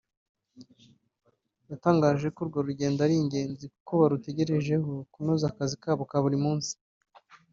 yatangaje ko urwo rugendo ari ingenzi kuko barutegerejeho kunoza akazi kabo ka buri munsi